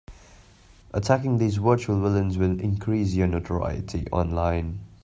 Attacking these virtual villains will increase your notoriety online.